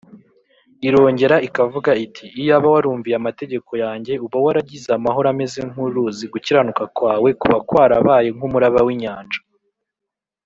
’ irongera ikavuga iti: “iyaba warumviye amategeko yanjye uba waragize amahoro ameze nk’uruzi, gukiranuka kwawe kuba kwarabaye nk’umuraba w’inyanja